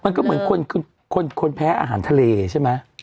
มันก็เหมือนคนแพ้อาหารทะเลใช่ไหม